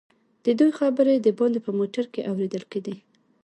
ددوئ خبرې دباندې په موټر کې اورېدل کېدې.